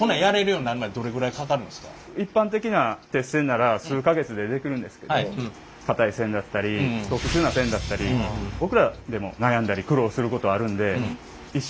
一般的な鉄線なら数か月でできるんですけど硬い線だったり特殊な線だったり僕らでも悩んだり苦労することあるんで一生勉強ですね。